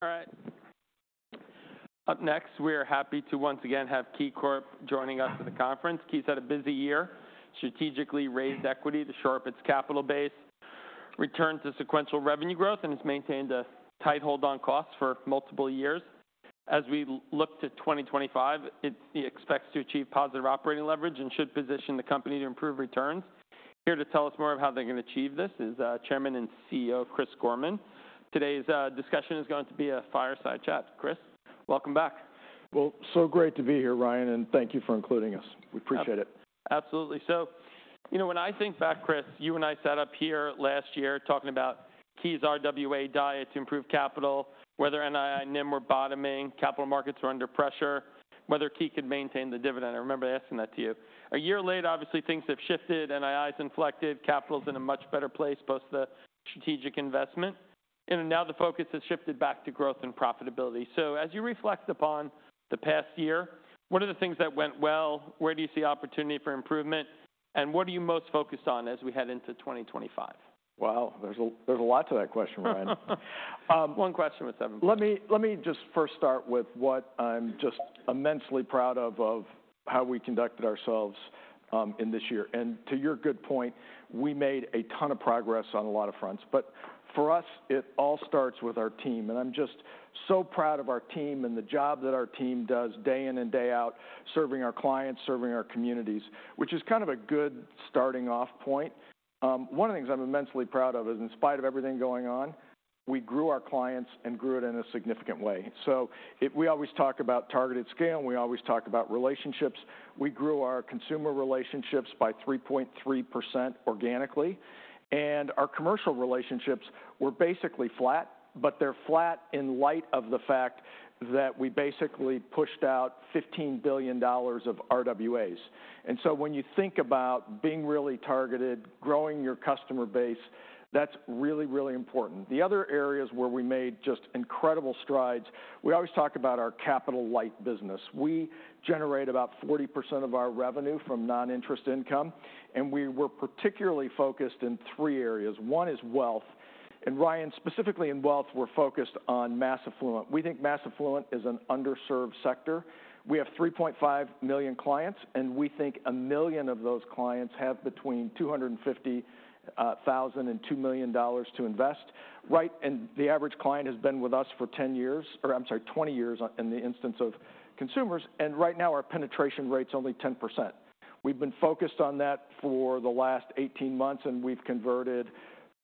All right. Up next, we are happy to once again have KeyCorp joining us for the conference. Key's had a busy year, strategically raised equity to shore up its capital base, returned to sequential revenue growth, and has maintained a tight hold on costs for multiple years. As we look to 2025, it expects to achieve positive operating leverage and should position the company to improve returns. Here to tell us more of how they're going to achieve this is Chairman and CEO Chris Gorman. Today's discussion is going to be a fireside chat. Chris, welcome back. Well, so great to be here, Ryan, and thank you for including us. We appreciate it. Absolutely. So, you know, when I think back, Chris, you and I sat up here last year talking about Key's RWA diet to improve capital, whether NII, NIM were bottoming, capital markets were under pressure, whether Key could maintain the dividend. I remember asking that to you. A year later, obviously, things have shifted. NII's inflected, capital's in a much better place, both the strategic investment, and now the focus has shifted back to growth and profitability. So, as you reflect upon the past year, what are the things that went well? Where do you see opportunity for improvement? And what are you most focused on as we head into 2025? Wow, there's a lot to that question, Ryan. One question with seven minutes. Let me just first start with what I'm just immensely proud of, of how we conducted ourselves in this year. And to your good point, we made a ton of progress on a lot of fronts. But for us, it all starts with our team. And I'm just so proud of our team and the job that our team does day in and day out, serving our clients, serving our communities, which is kind of a good starting off point. One of the things I'm immensely proud of is, in spite of everything going on, we grew our clients and grew it in a significant way. So, we always talk about targeted scale, and we always talk about relationships. We grew our consumer relationships by 3.3% organically. And our commercial relationships were basically flat, but they're flat in light of the fact that we basically pushed out $15 billion of RWAs. And so, when you think about being really targeted, growing your customer base, that's really, really important. The other areas where we made just incredible strides, we always talk about our capital light business. We generate about 40% of our revenue from non-interest income, and we were particularly focused in three areas. One is wealth. And Ryan, specifically in wealth, we're focused on mass affluent. We think mass affluent is an underserved sector. We have 3.5 million clients, and we think a million of those clients have between $250,000 and $2 million to invest. Right. And the average client has been with us for 10 years, or I'm sorry, 20 years in the instance of consumers. And right now, our penetration rate's only 10%. We've been focused on that for the last 18 months, and we've converted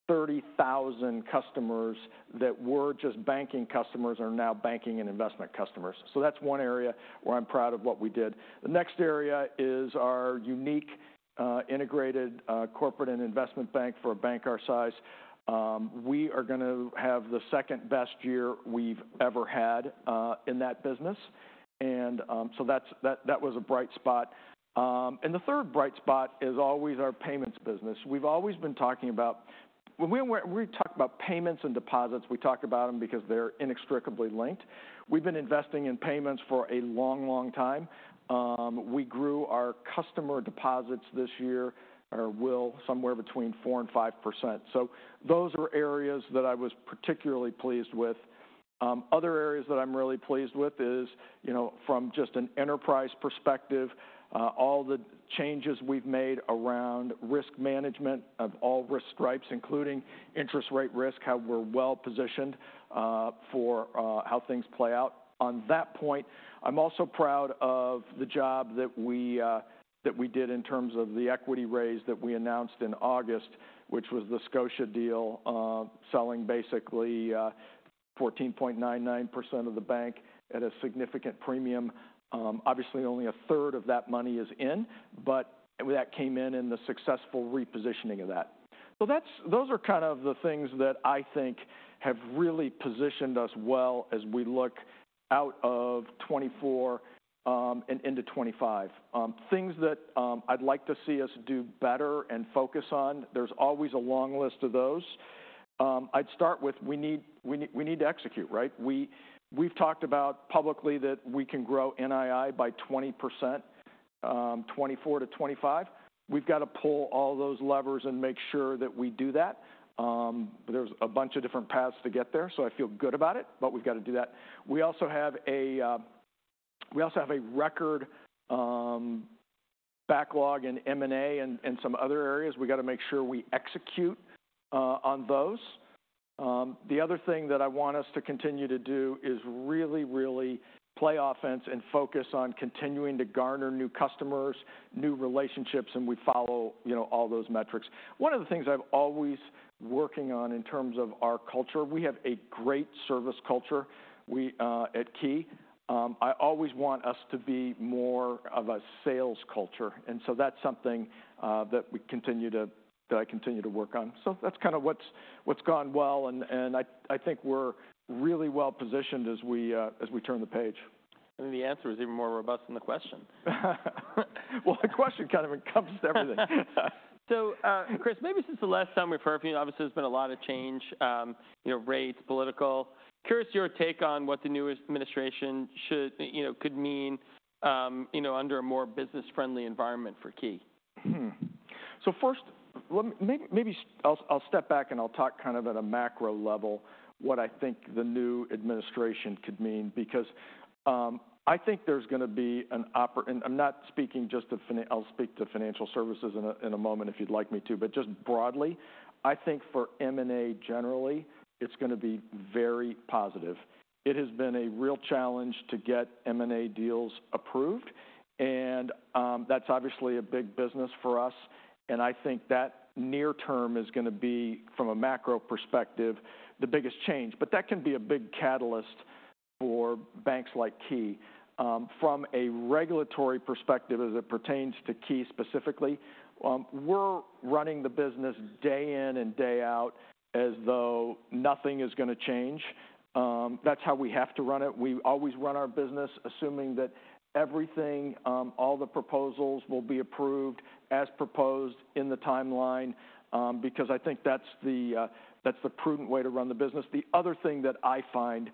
30,000 customers that were just banking customers are now banking and investment customers. So, that's one area where I'm proud of what we did. The next area is our unique integrated corporate and investment bank for a bank our size. We are going to have the second best year we've ever had in that business. And so, that was a bright spot. And the third bright spot is always our payments business. We've always been talking about, when we talk about payments and deposits, we talk about them because they're inextricably linked. We've been investing in payments for a long, long time. We grew our customer deposits this year or will somewhere between 4% and 5%. So, those are areas that I was particularly pleased with. Other areas that I'm really pleased with is, you know, from just an enterprise perspective, all the changes we've made around risk management of all risk stripes, including interest rate risk, how we're well positioned for how things play out. On that point, I'm also proud of the job that we did in terms of the equity raise that we announced in August, which was the Scotia deal, selling basically 14.99% of the bank at a significant premium. Obviously, only a third of that money is in, but that came in in the successful repositioning of that. So, those are kind of the things that I think have really positioned us well as we look out of 2024 and into 2025. Things that I'd like to see us do better and focus on, there's always a long list of those. I'd start with we need to execute, right? We've talked about publicly that we can grow NII by 20%, 2024-2025. We've got to pull all those levers and make sure that we do that. There's a bunch of different paths to get there, so I feel good about it, but we've got to do that. We also have a record backlog in M&A and some other areas. We've got to make sure we execute on those. The other thing that I want us to continue to do is really, really play offense and focus on continuing to garner new customers, new relationships, and we follow, you know, all those metrics. One of the things I've always been working on in terms of our culture, we have a great service culture at Key. I always want us to be more of a sales culture. That's something that I continue to work on. That's kind of what's gone well, and I think we're really well positioned as we turn the page. I mean, the answer was even more robust than the question. The question kind of encompassed everything. So, Chris, maybe since the last time we've heard from you, obviously, there's been a lot of change, you know, rates, political. Curious your take on what the new administration should, you know, could mean, you know, under a more business-friendly environment for Key. First, maybe I'll step back and I'll talk kind of at a macro level what I think the new administration could mean, because I think there's going to be an opportunity, and I'm not speaking just to, I'll speak to financial services in a moment if you'd like me to, but just broadly, I think for M&A generally, it's going to be very positive. It has been a real challenge to get M&A deals approved, and that's obviously a big business for us. I think that near term is going to be, from a macro perspective, the biggest change. That can be a big catalyst for banks like Key. From a regulatory perspective, as it pertains to Key specifically, we're running the business day in and day out as though nothing is going to change. That's how we have to run it. We always run our business assuming that everything, all the proposals will be approved as proposed in the timeline, because I think that's the prudent way to run the business. The other thing that I find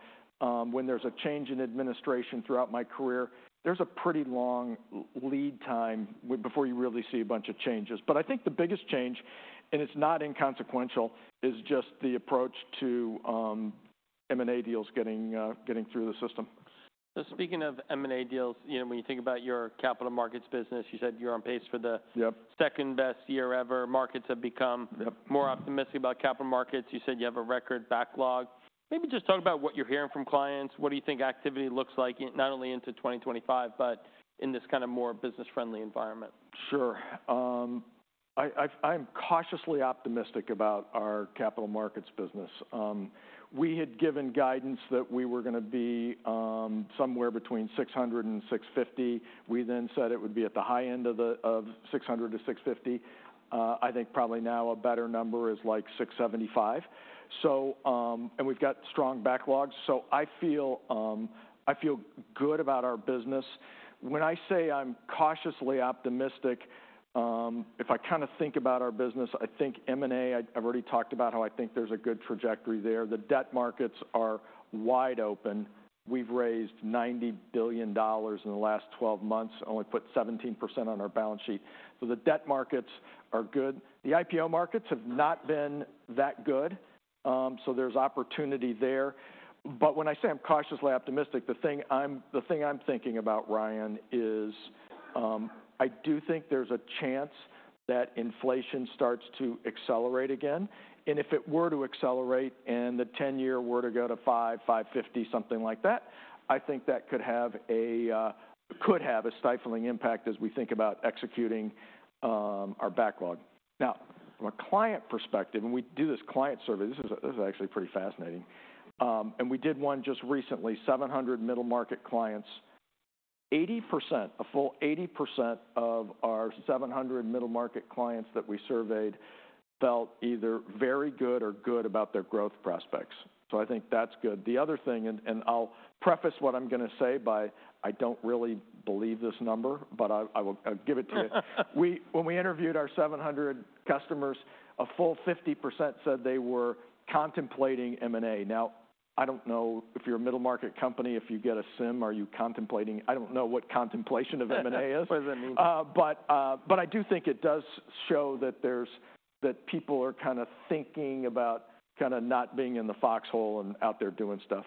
when there's a change in administration throughout my career, there's a pretty long lead time before you really see a bunch of changes. But I think the biggest change, and it's not inconsequential, is just the approach to M&A deals getting through the system. So, speaking of M&A deals, you know, when you think about your capital markets business, you said you're on pace for the second best year ever. Markets have become more optimistic about capital markets. You said you have a record backlog. Maybe just talk about what you're hearing from clients. What do you think activity looks like, not only into 2025, but in this kind of more business-friendly environment? Sure. I'm cautiously optimistic about our capital markets business. We had given guidance that we were going to be somewhere between 600 and 650. We then said it would be at the high end of 600-650. I think probably now a better number is like 675. So, and we've got strong backlogs. So, I feel good about our business. When I say I'm cautiously optimistic, if I kind of think about our business, I think M&A, I've already talked about how I think there's a good trajectory there. The debt markets are wide open. We've raised $90 billion in the last 12 months, only put 17% on our balance sheet. So, the debt markets are good. The IPO markets have not been that good. So, there's opportunity there. But when I say I'm cautiously optimistic, the thing I'm thinking about, Ryan, is I do think there's a chance that inflation starts to accelerate again. And if it were to accelerate and the 10-year were to go to 5.550, something like that, I think that could have a stifling impact as we think about executing our backlog. Now, from a client perspective, and we do this client survey, this is actually pretty fascinating. And we did one just recently, 700 middle market clients. 80%, a full 80% of our 700 middle market clients that we surveyed felt either very good or good about their growth prospects. So, I think that's good. The other thing, and I'll preface what I'm going to say by I don't really believe this number, but I will give it to you. When we interviewed our 700 customers, a full 50% said they were contemplating M&A. Now, I don't know if you're a middle market company, if you get a CIM, are you contemplating? I don't know what contemplation of M&A is. What does that mean? But I do think it does show that people are kind of thinking about kind of not being in the foxhole and out there doing stuff.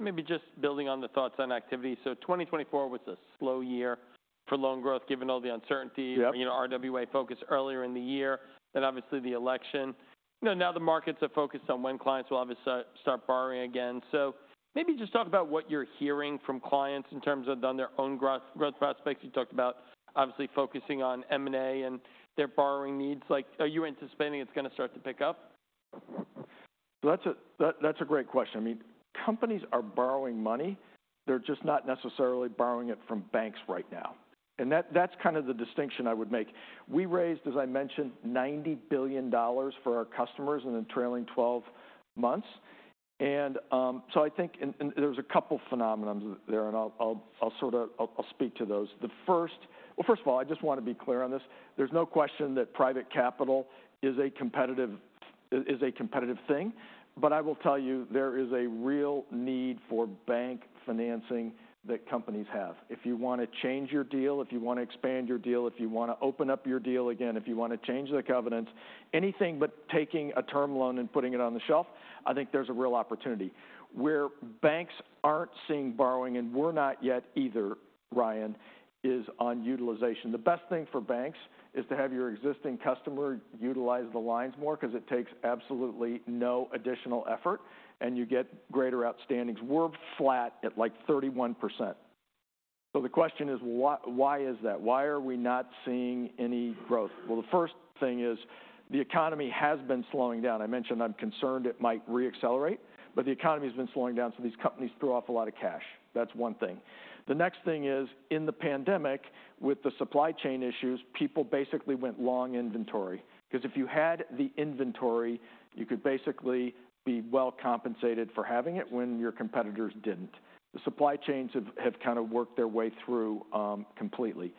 Maybe just building on the thoughts on activity. So, 2024 was a slow year for loan growth, given all the uncertainty, you know, RWA focus earlier in the year, then obviously the election. You know, now the markets are focused on when clients will obviously start borrowing again. So, maybe just talk about what you're hearing from clients in terms of on their own growth prospects. You talked about obviously focusing on M&A and their borrowing needs. Like, are you anticipating it's going to start to pick up? That's a great question. I mean, companies are borrowing money. They're just not necessarily borrowing it from banks right now, and that's kind of the distinction I would make. We raised, as I mentioned, $90 billion for our customers in the trailing 12 months, and so, I think there's a couple phenomena there, and I'll sort of speak to those. The first, well, first of all, I just want to be clear on this. There's no question that private capital is a competitive thing, but I will tell you, there is a real need for bank financing that companies have. If you want to change your deal, if you want to expand your deal, if you want to open up your deal again, if you want to change the covenants, anything but taking a term loan and putting it on the shelf, I think there's a real opportunity. Where banks aren't seeing borrowing, and we're not yet either, Ryan, is on utilization. The best thing for banks is to have your existing customer utilize the lines more, because it takes absolutely no additional effort, and you get greater outstandings. We're flat at like 31%. So, the question is, why is that? Why are we not seeing any growth? Well, the first thing is the economy has been slowing down. I mentioned I'm concerned it might re-accelerate, but the economy has been slowing down, so these companies threw off a lot of cash. That's one thing. The next thing is, in the pandemic, with the supply chain issues, people basically went long inventory. Because if you had the inventory, you could basically be well compensated for having it when your competitors didn't. The supply chains have kind of worked their way through completely.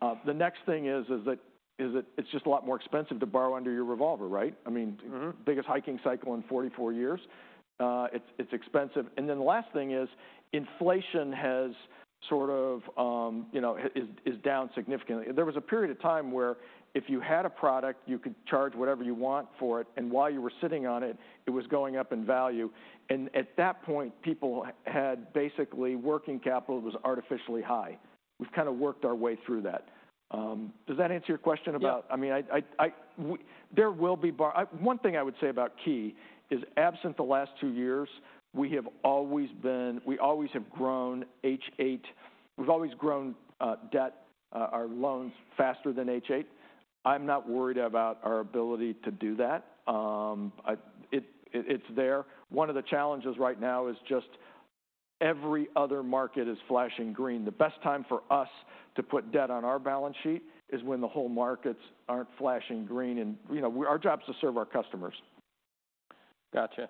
The next thing is that it's just a lot more expensive to borrow under your revolver, right? I mean, biggest hiking cycle in 44 years. It's expensive, and then the last thing is inflation has sort of, you know, is down significantly. There was a period of time where if you had a product, you could charge whatever you want for it, and while you were sitting on it, it was going up in value, and at that point, people had basically working capital was artificially high. We've kind of worked our way through that. Does that answer your question about, I mean, there will be borrowing. One thing I would say about Key is, absent the last two years, we have always been, we always have grown H.8. We've always grown debt, our loans faster than H.8. I'm not worried about our ability to do that. It's there. One of the challenges right now is just every other market is flashing green. The best time for us to put debt on our balance sheet is when the whole markets aren't flashing green. And, you know, our job is to serve our customers. Gotcha.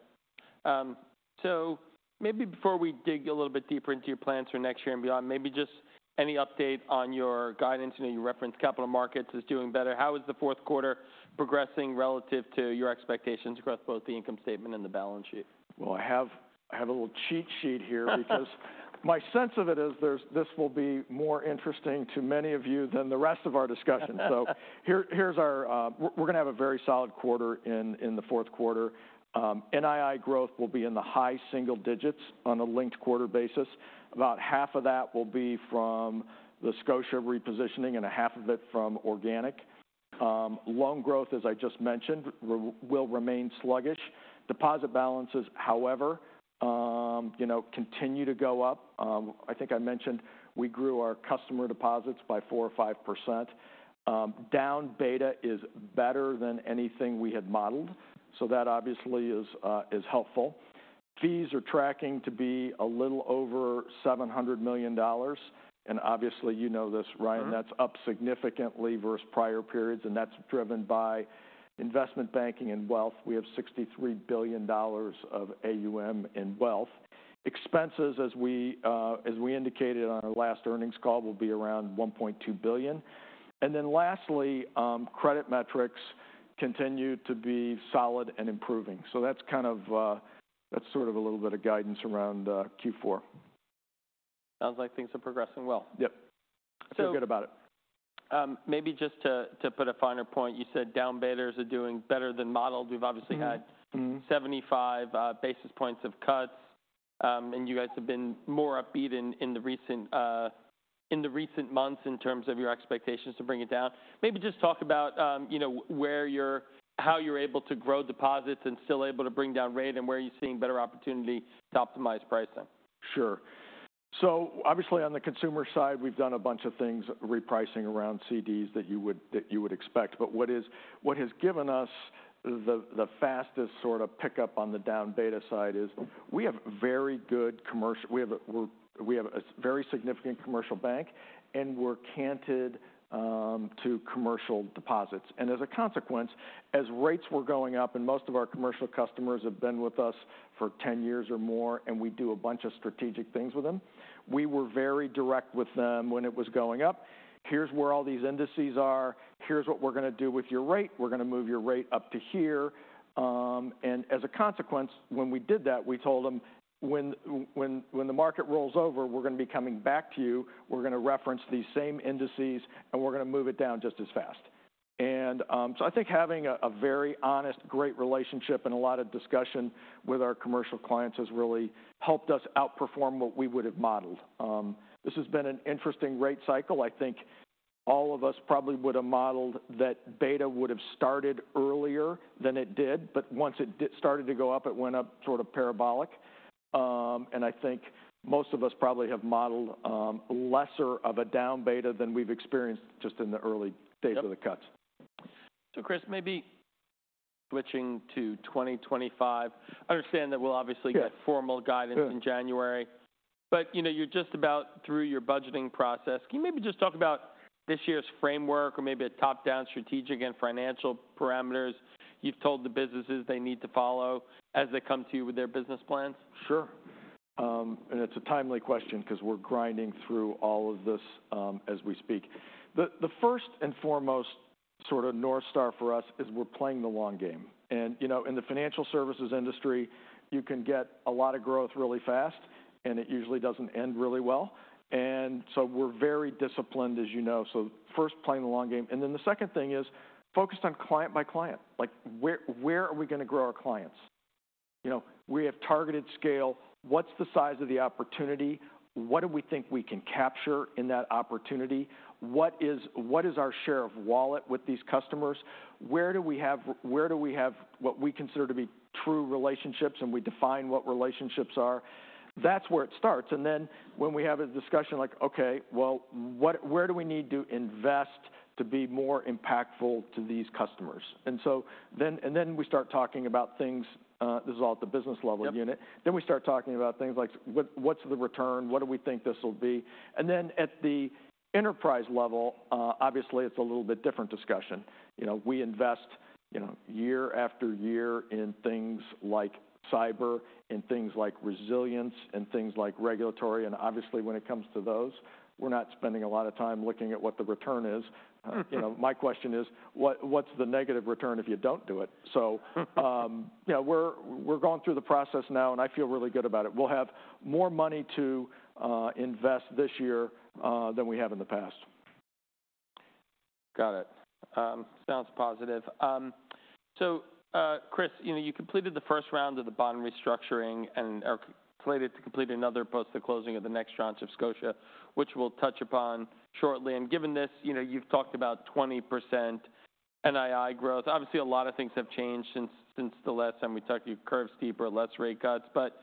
So, maybe before we dig a little bit deeper into your plans for next year and beyond, maybe just any update on your guidance. You know, you referenced capital markets is doing better. How is the fourth quarter progressing relative to your expectations across both the income statement and the balance sheet? I have a little cheat sheet here, because my sense of it is this will be more interesting to many of you than the rest of our discussion. So, here's our, we're going to have a very solid quarter in the fourth quarter. NII growth will be in the high single digits% on a linked quarter basis. About half of that will be from the Scotia repositioning and a half of it from organic. Loan growth, as I just mentioned, will remain sluggish. Deposit balances, however, you know, continue to go up. I think I mentioned we grew our customer deposits by 4% or 5%. Deposit beta is better than anything we had modeled. So, that obviously is helpful. Fees are tracking to be a little over $700 million. And obviously, you know this, Ryan, that's up significantly versus prior periods. And that's driven by investment banking and wealth. We have $63 billion of AUM in wealth. Expenses, as we indicated on our last earnings call, will be around $1.2 billion, and then lastly, credit metrics continue to be solid and improving, so that's kind of, that's sort of a little bit of guidance around Q4. Sounds like things are progressing well. Yep. So. I feel good about it. Maybe just to put a finer point, you said deposit betas are doing better than modeled. We've obviously had 75 basis points of cuts, and you guys have been more upbeat in the recent months in terms of your expectations to bring it down. Maybe just talk about, you know, where you're, how you're able to grow deposits and still able to bring down rate, and where you're seeing better opportunity to optimize pricing. Sure. So, obviously, on the consumer side, we've done a bunch of things repricing around CDs that you would expect. But what has given us the fastest sort of pickup on the down beta side is we have very good commercial, we have a very significant commercial bank, and we're canted to commercial deposits. And as a consequence, as rates were going up, and most of our commercial customers have been with us for 10 years or more, and we do a bunch of strategic things with them, we were very direct with them when it was going up. Here's where all these indices are. Here's what we're going to do with your rate. We're going to move your rate up to here. And as a consequence, when we did that, we told them, when the market rolls over, we're going to be coming back to you. We're going to reference these same indices, and we're going to move it down just as fast, and so, I think having a very honest, great relationship and a lot of discussion with our commercial clients has really helped us outperform what we would have modeled. This has been an interesting rate cycle. I think all of us probably would have modeled that beta would have started earlier than it did, but once it started to go up, it went up sort of parabolic, and I think most of us probably have modeled lesser of a down beta than we've experienced just in the early days of the cuts. So, Chris, maybe switching to 2025. I understand that we'll obviously get formal guidance in January. But, you know, you're just about through your budgeting process. Can you maybe just talk about this year's framework or maybe a top-down strategic and financial parameters you've told the businesses they need to follow as they come to you with their business plans? Sure. And it's a timely question because we're grinding through all of this as we speak. The first and foremost sort of North Star for us is we're playing the long game. And, you know, in the financial services industry, you can get a lot of growth really fast, and it usually doesn't end really well. And so, we're very disciplined, as you know. So, first, playing the long game. And then the second thing is focused on client by client. Like, where are we going to grow our clients? You know, we have targeted scale. What's the size of the opportunity? What do we think we can capture in that opportunity? What is our share of wallet with these customers? Where do we have what we consider to be true relationships, and we define what relationships are? That's where it starts. And then when we have a discussion, like, "Okay, well, where do we need to invest to be more impactful to these customers?" And so, then we start talking about things. This is all at the business level unit. Then we start talking about things like, "What's the return? What do we think this will be?" And then at the enterprise level, obviously, it's a little bit different discussion. You know, we invest, you know, year after year in things like cyber, in things like resilience, in things like regulatory. And obviously, when it comes to those, we're not spending a lot of time looking at what the return is. You know, my question is, "What's the negative return if you don't do it?" So, you know, we're going through the process now, and I feel really good about it. We'll have more money to invest this year than we have in the past. Got it. Sounds positive. So, Chris, you know, you completed the first round of the bond restructuring and are slated to complete another post the closing of the next round of Scotia, which we'll touch upon shortly. And given this, you know, you've talked about 20% NII growth. Obviously, a lot of things have changed since the last time we talked to you. Curves deeper, less rate cuts. But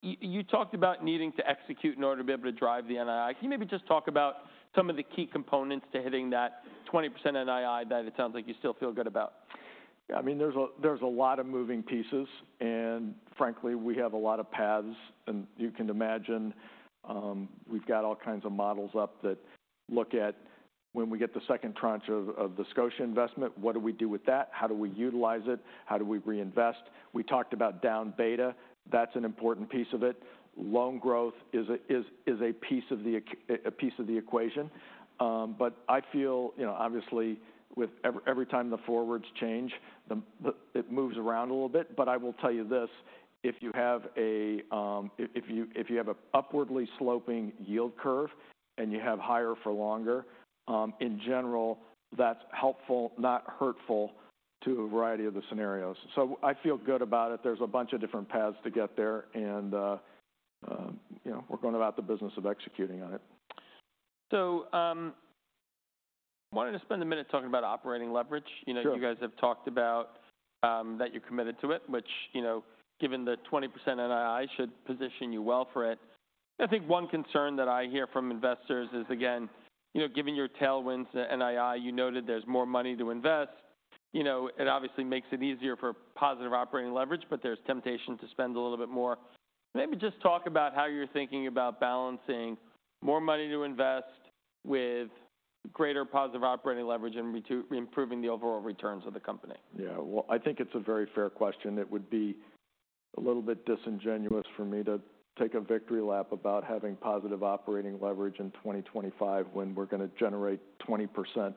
you talked about needing to execute in order to be able to drive the NII. Can you maybe just talk about some of the key components to hitting that 20% NII that it sounds like you still feel good about? Yeah, I mean, there's a lot of moving pieces, and frankly, we have a lot of paths, and you can imagine we've got all kinds of models up that look at when we get the second tranche of the Scotia investment, what do we do with that? How do we utilize it? How do we reinvest? We talked about down beta. That's an important piece of it. Loan growth is a piece of the equation, but I feel, you know, obviously, with every time the forwards change, it moves around a little bit, but I will tell you this. If you have an upwardly sloping yield curve and you have higher for longer, in general, that's helpful, not hurtful to a variety of the scenarios, so I feel good about it. There's a bunch of different paths to get there. You know, we're going about the business of executing on it. So, I wanted to spend a minute talking about operating leverage. You know, you guys have talked about that you're committed to it, which, you know, given the 20% NII should position you well for it. I think one concern that I hear from investors is, again, you know, given your tailwinds to NII, you noted there's more money to invest. You know, it obviously makes it easier for positive operating leverage, but there's temptation to spend a little bit more. Maybe just talk about how you're thinking about balancing more money to invest with greater positive operating leverage and improving the overall returns of the company. Yeah. Well, I think it's a very fair question. It would be a little bit disingenuous for me to take a victory lap about having positive operating leverage in 2025 when we're going to generate a 20%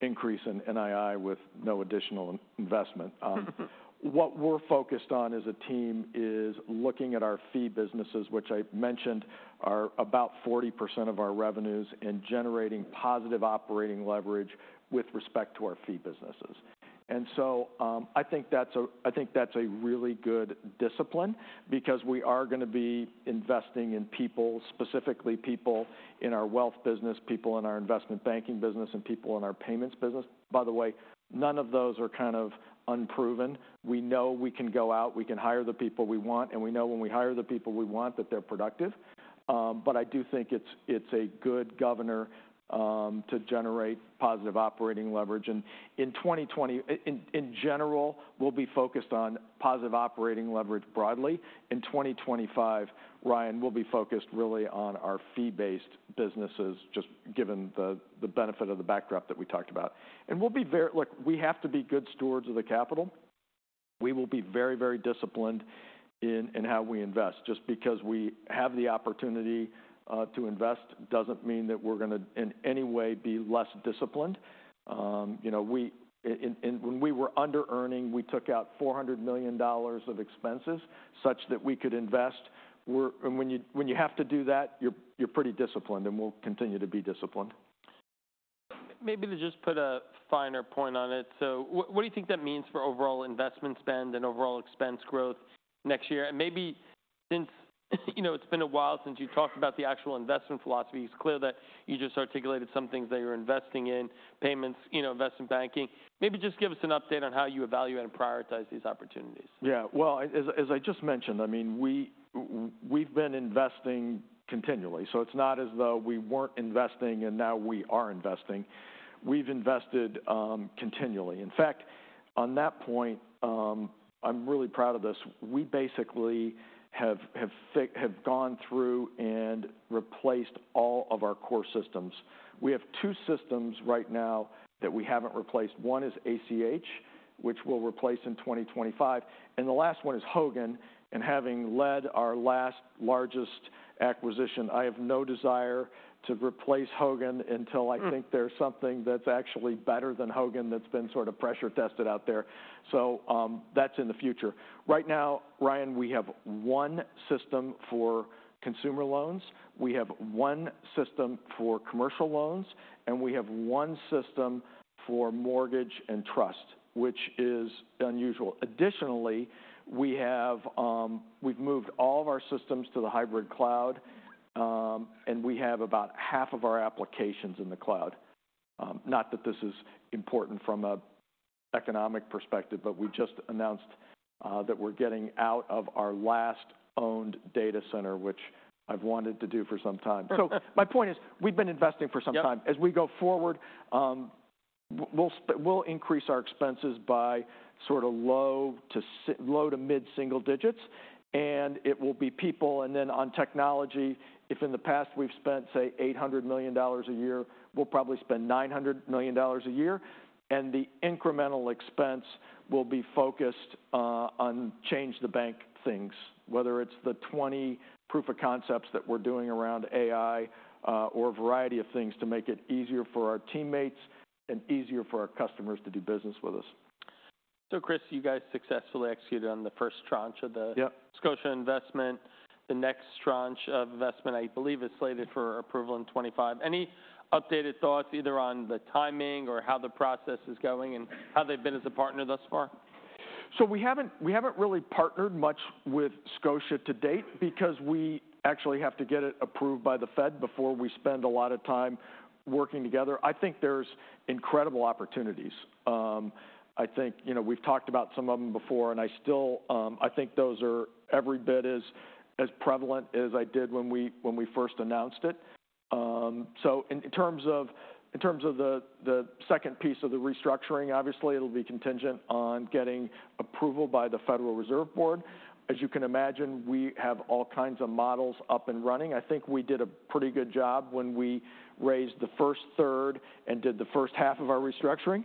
increase in NII with no additional investment. What we're focused on as a team is looking at our fee businesses, which I mentioned are about 40% of our revenues and generating positive operating leverage with respect to our fee businesses. And so, I think that's a really good discipline because we are going to be investing in people, specifically people in our wealth business, people in our investment banking business, and people in our payments business. By the way, none of those are kind of unproven. We know we can go out, we can hire the people we want, and we know when we hire the people we want that they're productive. But I do think it's a good governor to generate positive operating leverage. And in 2020, in general, we'll be focused on positive operating leverage broadly. In 2025, Ryan, we'll be focused really on our fee-based businesses, just given the benefit of the backdrop that we talked about. And we'll be very, look, we have to be good stewards of the capital. We will be very, very disciplined in how we invest. Just because we have the opportunity to invest doesn't mean that we're going to in any way be less disciplined. You know, when we were under-earning, we took out $400 million of expenses such that we could invest. And when you have to do that, you're pretty disciplined, and we'll continue to be disciplined. Maybe to just put a finer point on it, so what do you think that means for overall investment spend and overall expense growth next year, and maybe since, you know, it's been a while since you talked about the actual investment philosophy, it's clear that you just articulated some things that you're investing in, payments, you know, investment banking. Maybe just give us an update on how you evaluate and prioritize these opportunities. Yeah. Well, as I just mentioned, I mean, we've been investing continually. So, it's not as though we weren't investing and now we are investing. We've invested continually. In fact, on that point, I'm really proud of this. We basically have gone through and replaced all of our core systems. We have two systems right now that we haven't replaced. One is ACH, which we'll replace in 2025, and the last one is Hogan. Having led our last largest acquisition, I have no desire to replace Hogan until I think there's something that's actually better than Hogan that's been sort of pressure tested out there, so that's in the future. Right now, Ryan, we have one system for consumer loans. We have one system for commercial loans. And we have one system for mortgage and trust, which is unusual. Additionally, we've moved all of our systems to the hybrid cloud. And we have about half of our applications in the cloud. Not that this is important from an economic perspective, but we just announced that we're getting out of our last owned data center, which I've wanted to do for some time. So, my point is we've been investing for some time. As we go forward, we'll increase our expenses by sort of low to mid-single digits. And it will be people. And then on technology, if in the past we've spent, say, $800 million a year, we'll probably spend $900 million a year. And the incremental expense will be focused on change-the-bank things, whether it's the 20 proof of concepts that we're doing around AI or a variety of things to make it easier for our teammates and easier for our customers to do business with us. So, Chris, you guys successfully executed on the first tranche of the Scotia investment. The next tranche of investment, I believe, is slated for approval in 2025. Any updated thoughts either on the timing or how the process is going and how they've been as a partner thus far? So, we haven't really partnered much with Scotia to date because we actually have to get it approved by the Fed before we spend a lot of time working together. I think there's incredible opportunities. I think, you know, we've talked about some of them before, and I still, I think those are every bit as prevalent as I did when we first announced it. So, in terms of the second piece of the restructuring, obviously, it'll be contingent on getting approval by the Federal Reserve Board. As you can imagine, we have all kinds of models up and running. I think we did a pretty good job when we raised the first third and did the first half of our restructuring.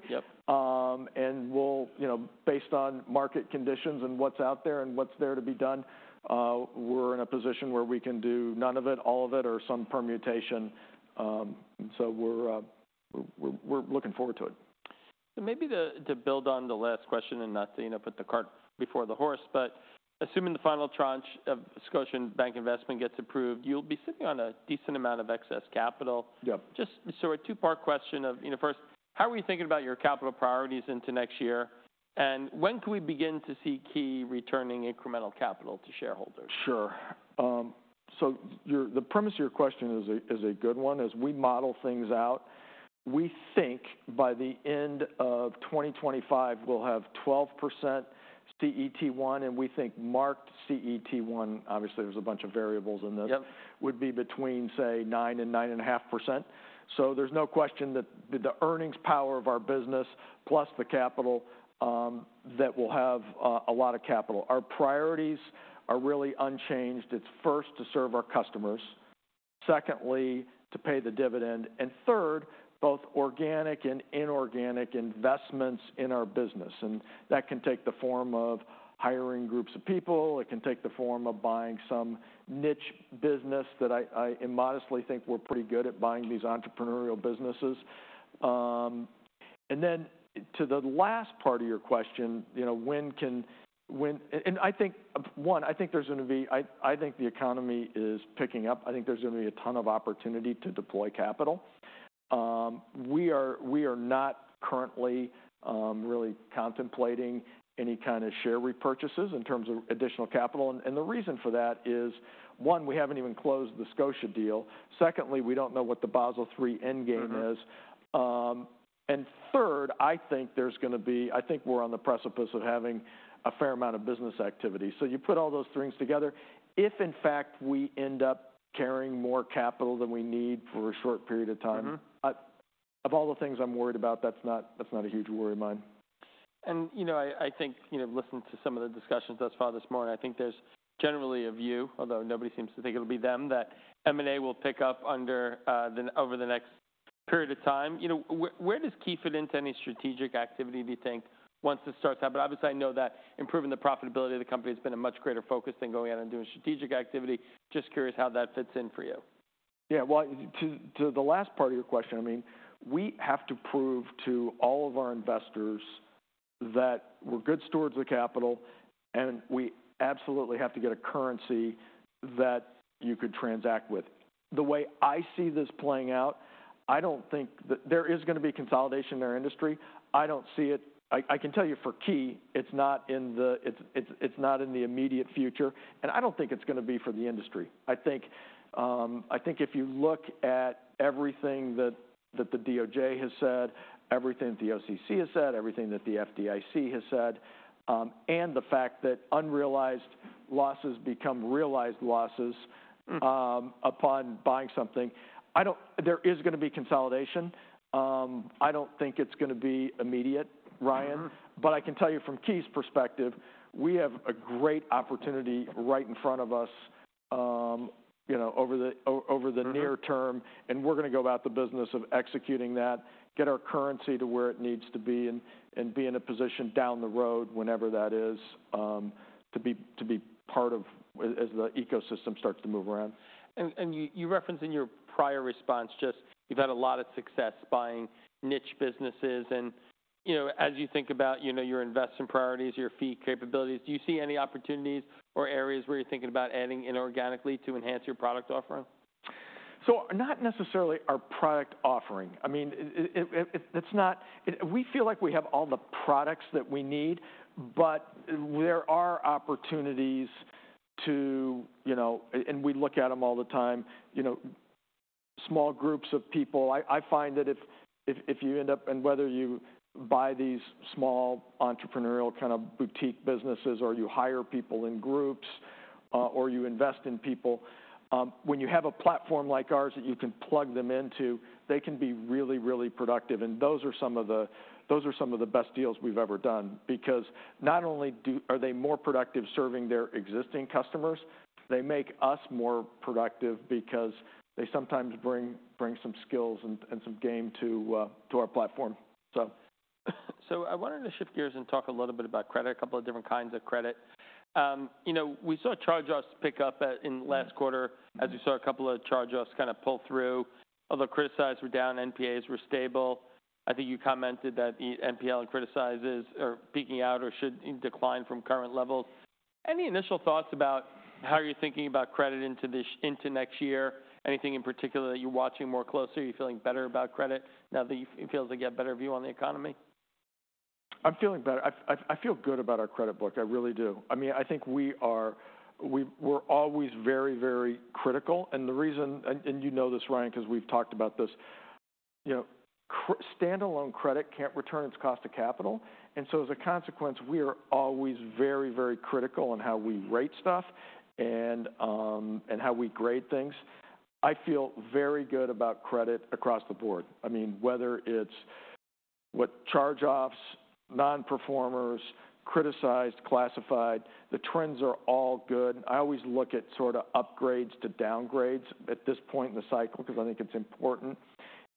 We'll, you know, based on market conditions and what's out there and what's there to be done, we're in a position where we can do none of it, all of it, or some permutation. We're looking forward to it. Maybe to build on the last question and not to put the cart before the horse, but assuming the final tranche of Scotiabank investment gets approved, you'll be sitting on a decent amount of excess capital. Just sort of a two-part question of, you know, first, how are we thinking about your capital priorities into next year, and when can we begin to see Key returning incremental capital to shareholders? Sure. So, the premise of your question is a good one. As we model things out, we think by the end of 2025, we'll have 12% CET1. And we think marked CET1, obviously, there's a bunch of variables in this, would be between, say, 9% and 9.5%. So, there's no question that the earnings power of our business, plus the capital, that we'll have a lot of capital. Our priorities are really unchanged. It's first to serve our customers, secondly, to pay the dividend, and third, both organic and inorganic investments in our business. And that can take the form of hiring groups of people. It can take the form of buying some niche business that I modestly think we're pretty good at buying these entrepreneurial businesses. And then to the last part of your question, you know, when can, and I think, one, I think there's going to be, I think the economy is picking up. I think there's going to be a ton of opportunity to deploy capital. We are not currently really contemplating any kind of share repurchases in terms of additional capital. And the reason for that is, one, we haven't even closed the Scotia deal. Secondly, we don't know what the Basel III Endgame is. And third, I think there's going to be, I think we're on the precipice of having a fair amount of business activity. So, you put all those things together, if in fact we end up carrying more capital than we need for a short period of time, of all the things I'm worried about, that's not a huge worry of mine. You know, I think, you know, listening to some of the discussions thus far this morning, I think there's generally a view, although nobody seems to think it'll be them, that M&A will pick up over the next period of time. You know, where does Key fit into any strategic activity do you think once this starts out? But obviously, I know that improving the profitability of the company has been a much greater focus than going out and doing strategic activity. Just curious how that fits in for you. Yeah. Well, to the last part of your question, I mean, we have to prove to all of our investors that we're good stewards of the capital, and we absolutely have to get a currency that you could transact with. The way I see this playing out, I don't think that there is going to be consolidation in our industry. I don't see it. I can tell you for Key, it's not in the immediate future, and I don't think it's going to be for the industry. I think if you look at everything that the DOJ has said, everything that the OCC has said, everything that the FDIC has said, and the fact that unrealized losses become realized losses upon buying something, there is going to be consolidation. I don't think it's going to be immediate, Ryan. But I can tell you from Key's perspective, we have a great opportunity right in front of us, you know, over the near term. And we're going to go about the business of executing that, get our currency to where it needs to be, and be in a position down the road, whenever that is, to be part of as the ecosystem starts to move around. You referenced in your prior response just you've had a lot of success buying niche businesses. You know, as you think about, you know, your investment priorities, your fee capabilities, do you see any opportunities or areas where you're thinking about adding inorganically to enhance your product offering? So, not necessarily our product offering. I mean, it's not, we feel like we have all the products that we need, but there are opportunities to, you know, and we look at them all the time, you know, small groups of people. I find that if you end up, and whether you buy these small entrepreneurial kind of boutique businesses, or you hire people in groups, or you invest in people, when you have a platform like ours that you can plug them into, they can be really, really productive, and those are some of the best deals we've ever done because not only are they more productive serving their existing customers, they make us more productive because they sometimes bring some skills and some game to our platform, so. So, I wanted to shift gears and talk a little bit about credit, a couple of different kinds of credit. You know, we saw charge-offs pick up in the last quarter as we saw a couple of charge-offs kind of pull through, although criticized were down, NPAs were stable. I think you commented that the NPL and criticizes are peaking out or should decline from current levels. Any initial thoughts about how you're thinking about credit into next year? Anything in particular that you're watching more closely? Are you feeling better about credit now that it feels like you have a better view on the economy? I'm feeling better. I feel good about our credit book. I really do. I mean, I think we're always very, very critical, and the reason, and you know this, Ryan, because we've talked about this, you know, standalone credit can't return its cost of capital. And so, as a consequence, we are always very, very critical on how we rate stuff and how we grade things. I feel very good about credit across the board. I mean, whether it's charge-offs, non-performers, criticized, classified, the trends are all good. I always look at sort of upgrades to downgrades at this point in the cycle because I think it's important,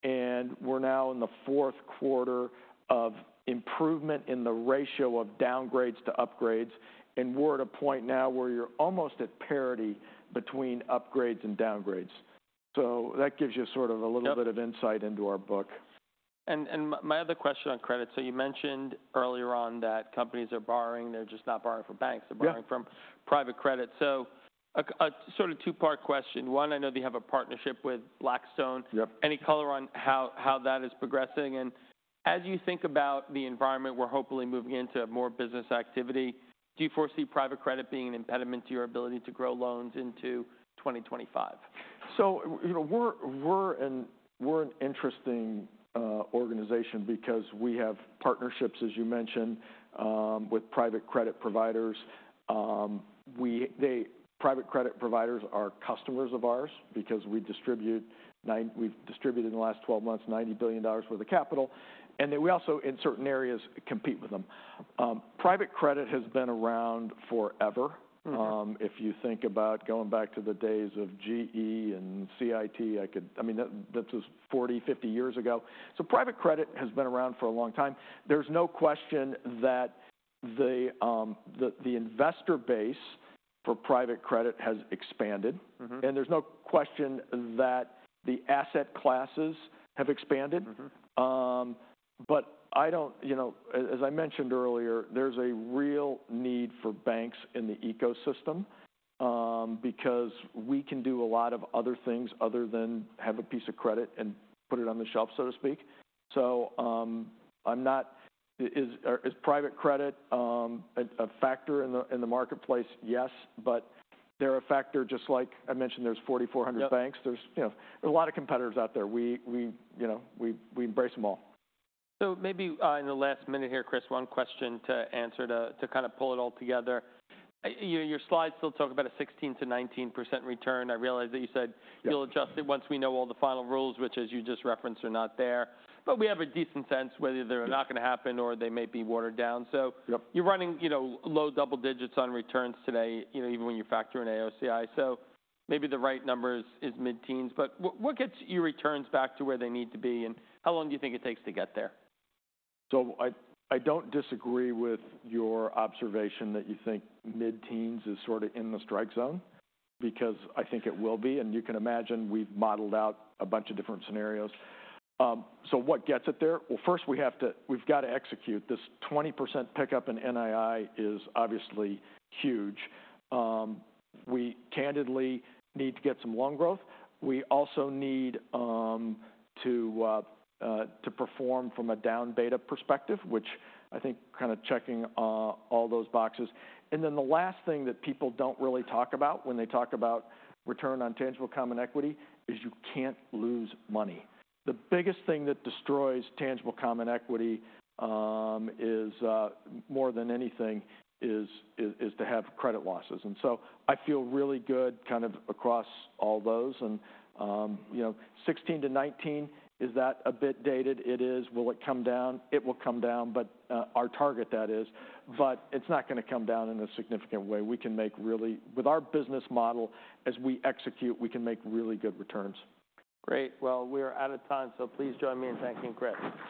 and we're now in the fourth quarter of improvement in the ratio of downgrades to upgrades, and we're at a point now where you're almost at parity between upgrades and downgrades. So, that gives you sort of a little bit of insight into our book. And my other question on credit. So, you mentioned earlier on that companies are borrowing. They're just not borrowing from banks. They're borrowing from private credit. So, a sort of two-part question. One, I know they have a partnership with Blackstone. Any color on how that is progressing? And as you think about the environment we're hopefully moving into more business activity, do you foresee private credit being an impediment to your ability to grow loans into 2025? So, you know, we're an interesting organization because we have partnerships, as you mentioned, with private credit providers. Private credit providers are customers of ours because we've distributed in the last 12 months $90 billion worth of capital. And then we also, in certain areas, compete with them. Private credit has been around forever. If you think about going back to the days of GE and CIT, I mean, this was 40, 50 years ago. So, private credit has been around for a long time. There's no question that the investor base for private credit has expanded. And there's no question that the asset classes have expanded. But I don't, you know, as I mentioned earlier, there's a real need for banks in the ecosystem because we can do a lot of other things other than have a piece of credit and put it on the shelf, so to speak. Is private credit a factor in the marketplace? Yes. But they're a factor just like I mentioned, there's 4,400 banks. Yeah. There's, you know, there's a lot of competitors out there. We, you know, we embrace them all. So, maybe in the last minute here, Chris, one question to answer to kind of pull it all together. Your slides still talk about a 16%-19% return. I realize that you said you'll adjust it once we know all the final rules, which, as you just referenced, are not there. But we have a decent sense whether they're not going to happen or they may be watered down. So, you're running, you know, low double digits on returns today, you know, even when you factor in AOCI. So, maybe the right number is mid-teens. But what gets your returns back to where they need to be? And how long do you think it takes to get there? So, I don't disagree with your observation that you think mid-teens is sort of in the strike zone because I think it will be. And you can imagine we've modeled out a bunch of different scenarios. What gets it there? Well, first, we have to; we've got to execute. This 20% pickup in NII is obviously huge. We candidly need to get some loan growth. We also need to perform from a down beta perspective, which I think kind of checking all those boxes. And then the last thing that people don't really talk about when they talk about return on tangible common equity is you can't lose money. The biggest thing that destroys tangible common equity is more than anything is to have credit losses. And so, I feel really good kind of across all those. And, you know, 16%-19%, is that a bit dated? It is. Will it come down? It will come down, but our target that is. But it's not going to come down in a significant way. We can make really, with our business model as we execute, we can make really good returns. Great. Well, we are out of time. So, please join me in thanking Chris.